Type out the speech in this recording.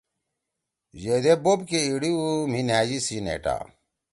ییدے بوپ کے ایِڑی ہُو مھی نھأژی سی نیٹا